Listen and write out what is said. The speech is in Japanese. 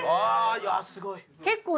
いやすごい！